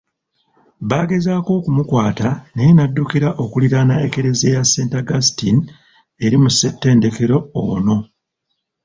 Bagezaako okumukwata naye naddukira okuliraana Ekereziya ya St Augustine eri mu ssettendekero ono.